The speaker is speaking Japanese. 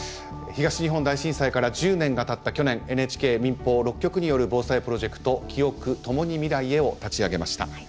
東日本大震災から１０年がたった去年ＮＨＫ民放６局による防災プロジェクト「キオク、ともに未来へ。」を立ち上げました。